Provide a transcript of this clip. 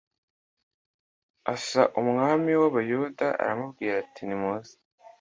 asa umwami w abayuda aramubwira ati nimuze